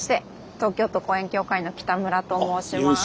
東京都公園協会の北村と申します。